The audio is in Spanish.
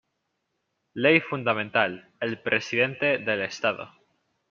Ley Fundamental: El Presidente del Estado